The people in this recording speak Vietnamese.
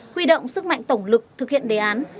huy động sức mạnh tổng lực thực hiện đề án